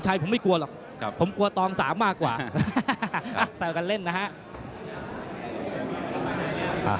ห่ะแซวกันเล่นนะครับ